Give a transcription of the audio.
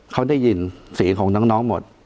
เขาได้ยินเสียงของน้องหมด